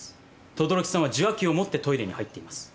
等々力さんは受話器を持ってトイレに入っています。